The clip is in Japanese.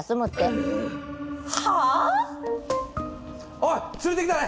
おい連れてきたで！